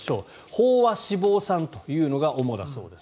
飽和脂肪酸というのが主だそうです。